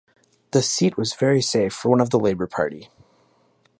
The seat was a very safe one for the Labor Party.